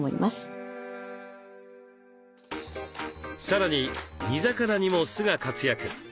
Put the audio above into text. さらに煮魚にも酢が活躍。